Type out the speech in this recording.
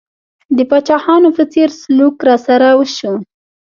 د پاچاهانو په څېر سلوک راسره وشو.